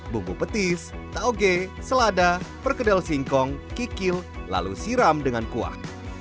bumbu petis tauge selada perkedel singkong kikil lalu siram dengan kuah